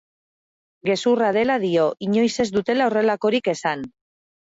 Gezurra dela dio, inoiz ez dutela horrelakorik esan.